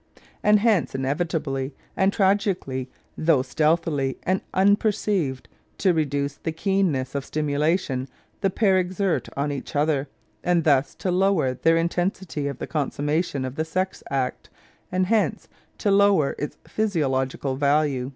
And hence, inevitably and tragically, though stealthily and un Modesty and Romance ^9 perceived, to reduce the keenness of stimulation the pair exert on each other, and thus to lower their in tensity of the consummation of the sex act, and hence to lower its physiological value.